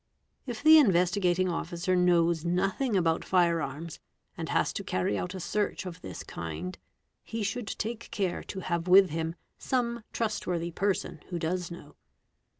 If the Investigating Officer knows nothing DOU t fire arms and has to carry out a search of this kind, he should take care to have with him some trust vorthy person who does know.